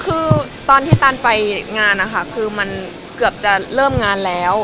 คือตอนที่ตันไปงานนะคะคือมันเกือบจะเริ่มงานแล้ว